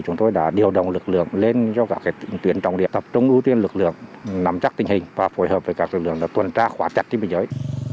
chúng tôi đã điều động lực lượng lên cho các tuyến trọng điểm tập trung ưu tiên lực lượng nắm chắc tình hình và phối hợp với các lực lượng tuần tra khóa chặt trên biên giới